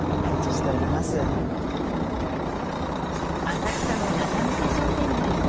浅草の仲見世商店街。